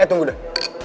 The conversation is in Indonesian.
eh tunggu deh